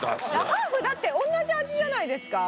ハーフだって同じ味じゃないですか？